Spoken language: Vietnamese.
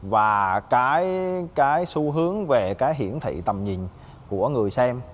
và cái xu hướng về cái hiển thị tầm nhìn của người xem